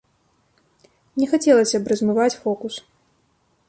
Не хацелася б размываць фокус.